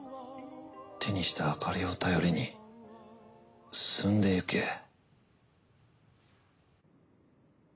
手にした明かりを頼りに進んでいけ。